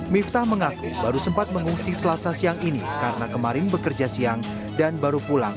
miftah mengaku baru sempat mengungsi selasa siang ini karena kemarin bekerja siang dan baru pulang